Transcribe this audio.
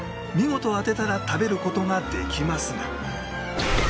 見事当てたら食べる事ができますが